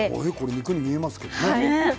肉に見えますけれどもね。